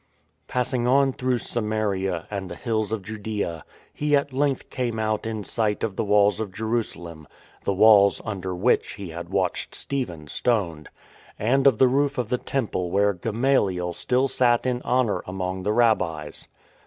Passing on through Samaria and the hills of Judaea he at length came out in sight of the walls of Jerusa lem (the walls under which he had watched Stephen stoned), and of the roof of the Temple where Gama liel still sat in honour among the Rabbis.